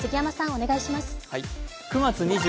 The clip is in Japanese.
お願いします。